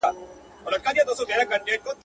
چي تر كلكو كاڼو غاښ يې وي ايستلى.